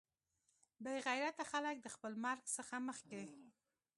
بې غیرته خلک د خپل مرګ څخه مخکې.